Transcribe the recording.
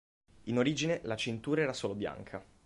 In origine la cintura era solo bianca.